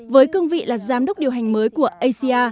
với cương vị là giám đốc điều hành mới của aci